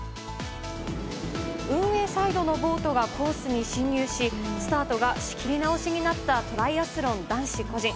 運営サイドのボートがコースに進入しスタートが仕切り直しになったトライアスロン男子個人。